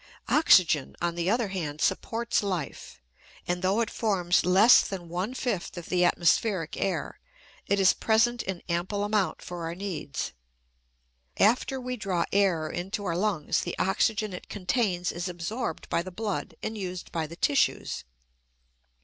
Oxygen, on the other hand, supports life; and though it forms less than one fifth of the atmospheric air, it is present in ample amount for our needs. After we draw air into our lungs, the oxygen it contains is absorbed by the blood and used by the tissues.